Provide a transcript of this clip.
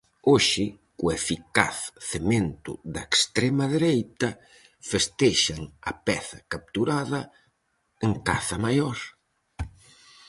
Hoxe, co eficaz cemento da extrema dereita, festexan a peza capturada en caza maior.